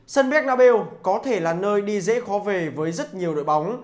sân biếc nabil có thể là nơi đi dễ khó về với rất nhiều đội bóng